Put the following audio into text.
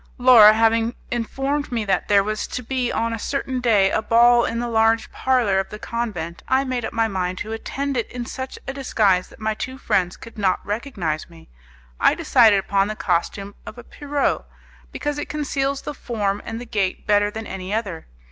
Laura having informed me that there was to be on a certain day a ball in the large parlour of the convent, I made up my mind to attend it in such a disguise that my two friends could not recognize me. I decided upon the costume of a Pierrot, because it conceals the form and the gait better than any other.